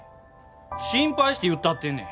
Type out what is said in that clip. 心配して言ったってんねん！